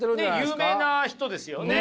有名な人ですよね。